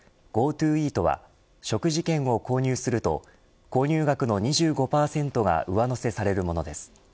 ＧｏＴｏイートは食事券を購入すると購入額の２５％が上乗せされるものです。